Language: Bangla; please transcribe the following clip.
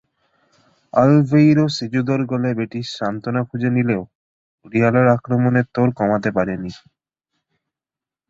আলভেইরো সেজুদোর গোলে বেটিস সান্ত্বনা খুঁজে নিলেও রিয়ালের আক্রমণের তোড় কমাতে পারেনি।